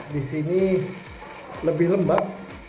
di sini lebih lembab